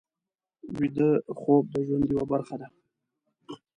ویده خوب د ژوند یوه برخه ده